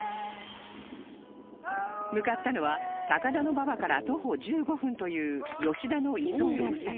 向かったのは高田馬場から徒歩１５分という吉田の居候先